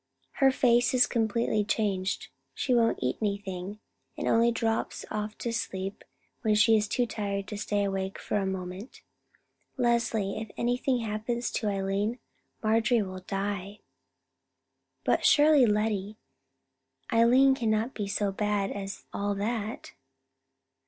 Her face is completely changed; she won't eat anything, and only drops off to sleep when she is too tired to stay awake for a moment. Leslie, if anything happens to Eileen, Marjorie will die." "But surely, Lettie, Eileen cannot be so bad as all that?"